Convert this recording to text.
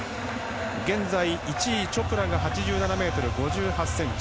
現在、１位のチョプラが８７ｍ５８ｃｍ。